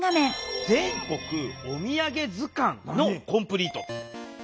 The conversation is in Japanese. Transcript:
「全国おみやげずかん」のコンプリート。